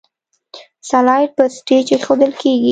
سلایډ په سټیج ایښودل کیږي.